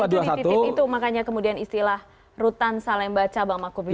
dan itu dititip itu makanya kemudian istilah rutan salembaca bang makubi